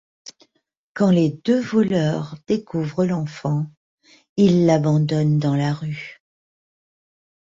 Quand les deux voleurs découvrent l'enfant, ils l’abandonnent dans la rue.